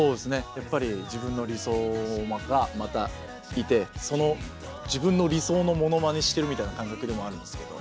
やっぱり自分の理想がまたいてその自分の理想のモノマネしてるみたいな感覚でもあるんですけど。